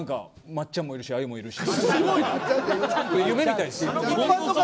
松ちゃんもいるしあゆもいるし。